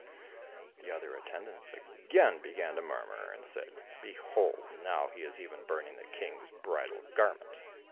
The other attendants again began to murmur, and said, "Behold, now he is even burning the King's bridal garment!"